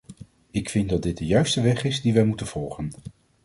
Ik vind dat dit de juiste weg is die wij moeten volgen.